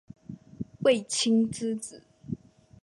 卫青之子。